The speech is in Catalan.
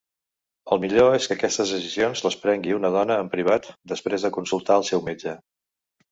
El millor és que aquestes decisions les prengui una dona en privat, després de consultar al seu metge.